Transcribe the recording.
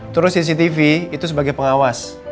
terus cctv itu sebagai pengawas